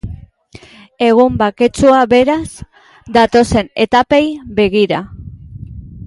Egun baketsua, beraz, datozen etapei begira.